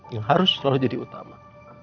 yang harus selalu jadi utama